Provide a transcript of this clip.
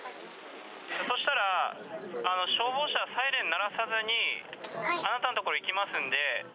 そしたら、消防車、サイレン鳴らさずにあなたの所に行きますんで。